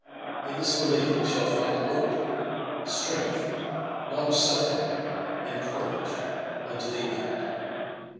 In this belief we shall find hope, Itrength, long suffering,* and courage, unto the end.